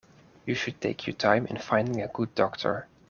You should take your time in finding a good doctor.